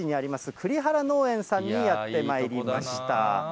栗原農園さんにやってまいりました。